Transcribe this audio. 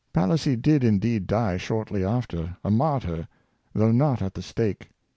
Palissy did indeed die shortly after, a martyr, though not at the stake.